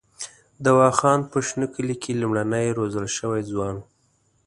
دوا خان په شنه کلي کې لومړنی روزل شوی ځوان وو.